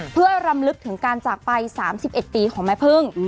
เพื่อรำลึกถึงการจากไป๓๑ปีของแม่พึ่ง